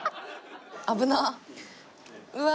危なっ！